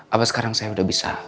apa sekarang saya udah bisa